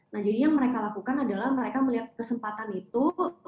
nah jadi yang mereka lakukan adalah mereka melihat kesempatan itu